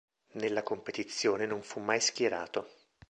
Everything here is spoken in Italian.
Nella competizione non fu mai schierato.